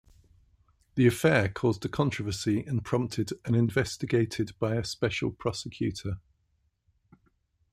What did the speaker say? The affair caused a controversy and prompted an investigated by a special prosecutor.